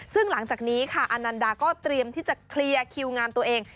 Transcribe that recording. ซึ่งหลังจากนี้ค่ะอนันดาก็เตรียมที่จะเคลียร์คิวงานตัวเอง